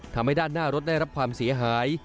ทำให้ด้านหน้ารถได้รับความเสียหาย